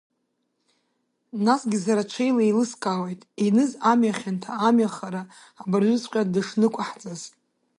Насгьы сара ҽеила еилыскаауеит, Еныз амҩа хьанҭа, амҩа хара абыржәыҵәҟьа дышнықәаҳҵаз.